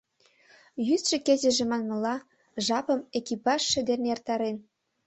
Йӱдшӧ-кечыже манмыла, жапым экипажше дене эртарен.